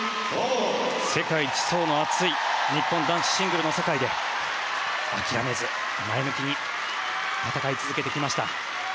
世界一層の厚い日本男子シングルの世界で諦めず前向きに戦い続けてきました。